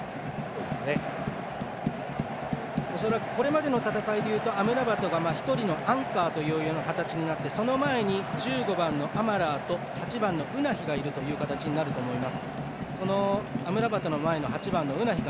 これまでの戦いでいうとアムラバトが１人のアンカーという形になってその前に１５番のアマラーと８番のウナヒがいるという形になると思います。